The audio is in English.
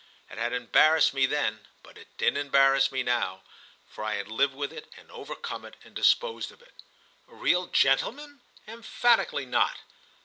It had embarrassed me then, but it didn't embarrass me now, for I had lived with it and overcome it and disposed of it. "A real gentleman? Emphatically not!"